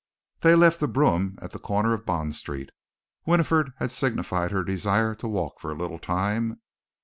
They left the brougham at the corner of Bond Street. Winifred had signified her desire to walk for a little time.